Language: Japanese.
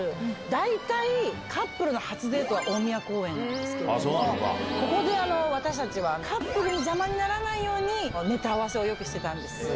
大体カップルの初デートは大宮公園で私たちはカップルの邪魔にならないようにネタ合わせをよくしてたんです。